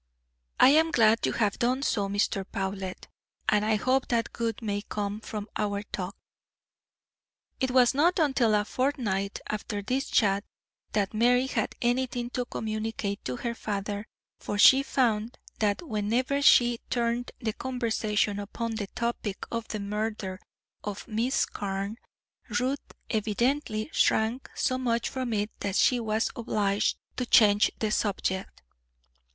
"I am glad you have done so, Mr. Powlett, and I hope that good may come from our talk." It was not until a fortnight after this chat that Mary had anything to communicate to her father, for she found that whenever she turned the conversation upon the topic of the murder of Miss Carne, Ruth evidently shrank so much from it that she was obliged to change the subject.